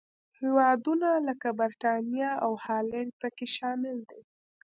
هېوادونه لکه برېټانیا او هالنډ پکې شامل دي.